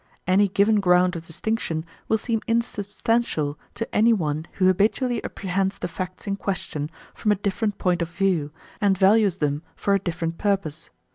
Any given ground of distinction will seem insubstantial to any one who habitually apprehends the facts in question from a different point of view and values them for a different purpose.